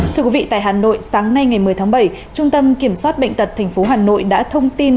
thưa quý vị tại hà nội sáng nay ngày một mươi tháng bảy trung tâm kiểm soát bệnh tật tp hà nội đã thông tin